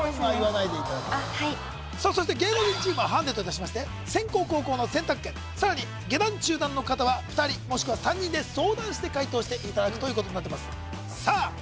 あっはいそして芸能人チームはハンデといたしまして先攻・後攻の選択権さらに下段・中段の方は２人もしくは３人で相談して解答していただくということになってますさあ